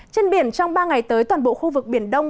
trên biển trong ba ngày tới toàn bộ khu vực biển đông